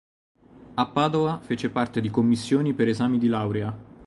A Padova fece parte di commissioni per esami di laurea.